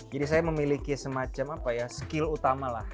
jadi saya memiliki semacam apa ya skill utama lah